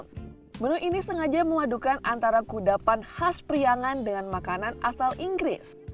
menu ini sengaja memadukan antara kudapan khas priangan dengan makanan asal inggris